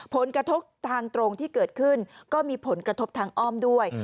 ผลกระทบทางตรงที่เกิดขึ้นก็มีผลกระทบทางอ้อมด้วย